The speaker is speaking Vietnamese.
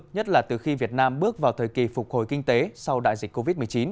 nhất là từ khi việt nam bước vào thời kỳ phục hồi kinh tế sau đại dịch covid một mươi chín